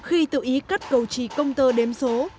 khi tự ý cắt cầu trì công tơ đếm số